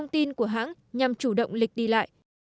vn của hãng nhằm chủ động lịch đi lại